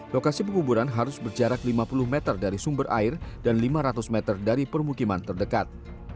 lokasi penguburan harus berjarak lima puluh meter dari sumber air dan lima ratus meter dari permukiman terdekat